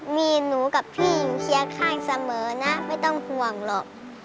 มีหนูกับพี่อยู่เชียร์ข้างเสมอนะไม่ต้องห่วงหรอก